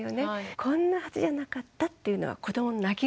こんなはずじゃなかったというのは子どもの泣き声です。